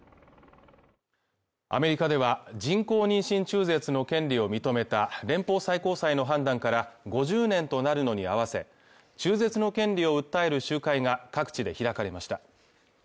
アメリカでは人工妊娠中絶の権利を認めた連邦最高裁の判断から５０年となるのに合わせ中絶の権利を訴える集会が各地で開かれました